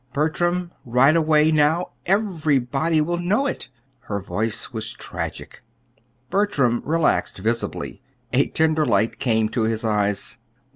Bertram, right away, now, everybody will know it." Her voice was tragic. Bertram relaxed visibly. A tender light came to his eyes.